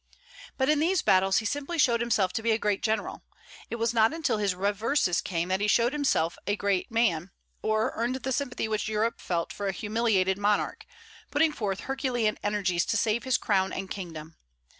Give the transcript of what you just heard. But in these battles he simply showed himself to be a great general. It was not until his reverses came that he showed himself a great man, or earned the sympathy which Europe felt for a humiliated monarch, putting forth herculean energies to save his crown and kingdom.